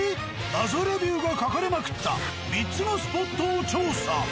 謎レビューが書かれまくった３つのスポットを調査。